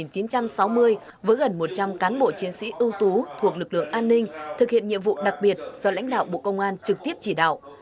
có gần một trăm linh cán bộ chiến sĩ ưu tú thuộc lực lượng an ninh thực hiện nhiệm vụ đặc biệt do lãnh đạo bộ công an trực tiếp chỉ đạo